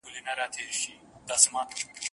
ساقي به وي خُم به لبرېز وي حریفان به نه وي